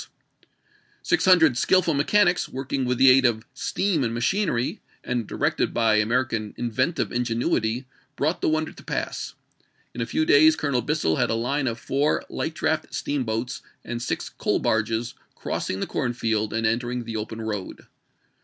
Six hundred skillful mechanics working with the aid of steam and machinery, and directed by American inventive ingenuity, brought the wonder to pass. In a few days Colonel Bissell had a line of four light draft steamboats and six coal barges ^ crossing the corn field and entering the open road.